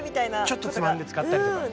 ちょっとつまんで使ったりとか。